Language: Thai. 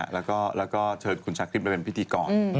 แล้วก็เชิญคุณชาคริสมาเป็นพิธีกร